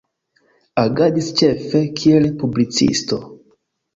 Agadis, ĉefe, kiel publicisto.